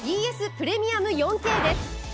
プレミアム４Ｋです。